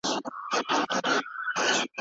ځوان نسل بايد تر خيالاتو حقيقت ته نږدې سي.